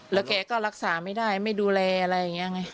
แล้วแกก็รักษาไม่ได้ไม่ดูแลอะไรอย่างนี้ไง